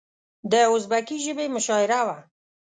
د ازبکي ژبې مشاعره وه.